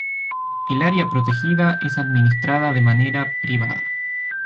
El área protegida es administrada de manera privada.